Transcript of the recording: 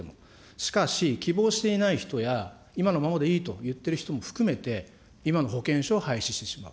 しかし、希望していない人や今のままでいいと言っている人も含めて、今の保険証を廃止してしまう。